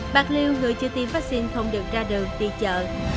bạc liêu người chưa tiêm vaccine không được ra đường đi chợ